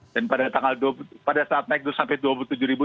dan pada saat naik sampai dua puluh tujuh itulah baru dilakukan ppkm